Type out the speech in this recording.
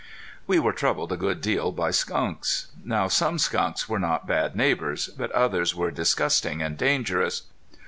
We were troubled a good deal by skunks. Now some skunks were not bad neighbors, but others were disgusting and dangerous.